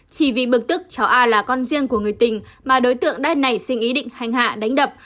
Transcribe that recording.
chỉ vì bực tức cháu a là con riêng của người tình mà đối tượng đã nảy sinh ý định hành hạ đánh đập